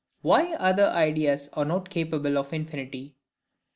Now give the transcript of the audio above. Why other Ideas are not capable of Infinity.